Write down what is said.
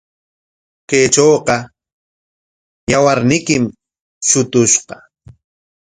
Kaytrawqa yawarniykim shutushqa.